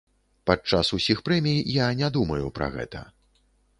Падчас усіх прэмій я не думаю пра гэта.